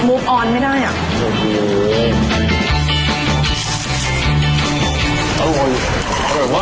มุกออนไม่ได้อ่ะ